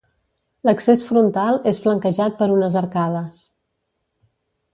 L'accés frontal és flanquejat per unes arcades.